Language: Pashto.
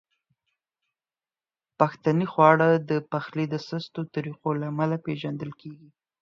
پښتني خواړه د پخلي د سستو طریقو له امله پیژندل کیږي.